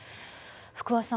福和さん